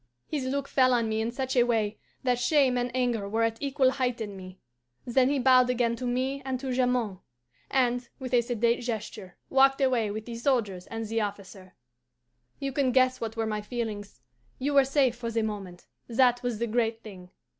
His look fell on me in such a way that shame and anger were at equal height in me. Then he bowed again to me and to Jamond, and, with a sedate gesture, walked away with the soldiers and the officer. "You can guess what were my feelings. You were safe for the moment that was the great thing.